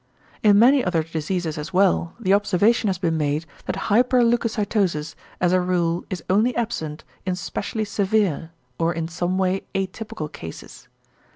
In many other diseases as well, the observation has been made that hyperleucocytosis as a rule is only absent in specially severe, or in some way atypical cases.